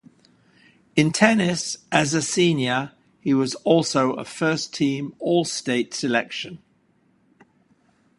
In tennis, as a senior, he was also a first-team All-State selection.